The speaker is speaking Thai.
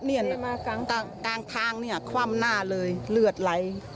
เกินมากลางทางคว่ำหน้าเลยเลือดไหล